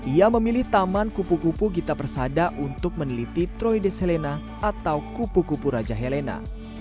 ia memilih taman kupu kupu gita persada untuk meneliti troide selena atau kupu kupu raja helena